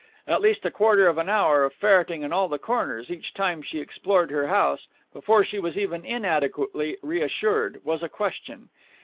at least a quarter of an hour of ferreting in all the corners each time she explored her house before she was even inadequately reassured, was a question.